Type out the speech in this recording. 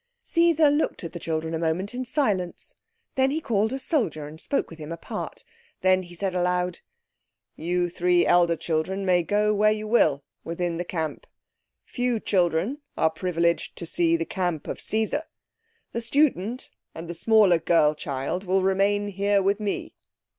Caesar looked at the children a moment in silence. Then he called a soldier and spoke with him apart. Then he said aloud— "You three elder children may go where you will within the camp. Few children are privileged to see the camp of Caesar. The student and the smaller girl child will remain here with me."